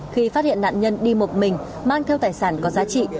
khi phát hiện nạn nhân đi một mình mang theo tài sản có giá trị